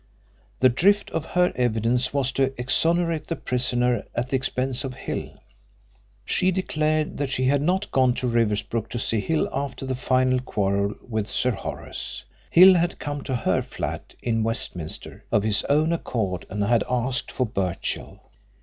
The drift of her evidence was to exonerate the prisoner at the expense of Hill. She declared that she had not gone to Riversbrook to see Hill after the final quarrel with Sir Horace. Hill had come to her flat in Westminster of his own accord and had asked for Birchill.